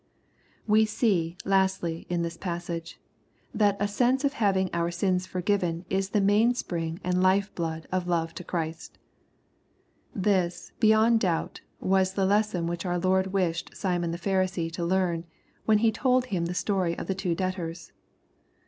We see, lastly, iu this passage, that a sense of having our sins forgiven is the mainspring and life Hood of love to Christ. This, beyond doHbt^ was the lesson which our Lord wished Simon the Pharisee to learn, when He told him the story of the two debtors.